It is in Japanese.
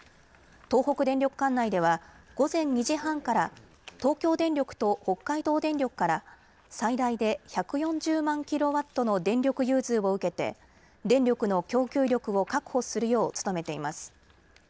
東北電力管内では午前２時半から東京電力と北海道電力から最大で１４０万キロワットの電力融通を受けて電力の供給力を確保するよう努めています。